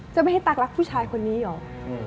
จะไม่ให้ตั๊กรักผู้ชายคนนี้เหรอ